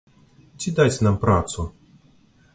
Ці даць нам працу!